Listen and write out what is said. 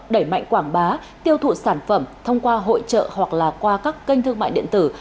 đẩy mạnh quảng bá tiêu thụ sản phẩm thông qua hội trợ hoặc là qua các kênh thương mại điện tử